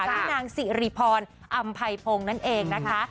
พี่นางสิริพรอำไพพงศ์นั่นเองนะคะ